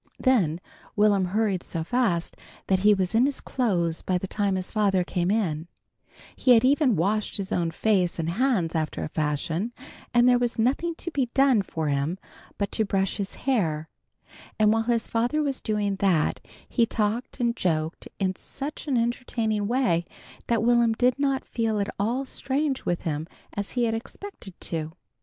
Then Will'm hurried so fast that he was in his clothes by the time his father came in; he had even washed his own face and hands after a fashion, and there was nothing to be done for him but to brush his hair, and while his father was doing that, he talked and joked in such an entertaining way that Will'm did not feel at all strange with him as he had expected to do.